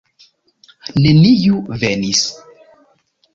Neniu venis.